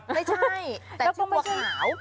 ไม่ใช่แต่ชื่อบัวขาว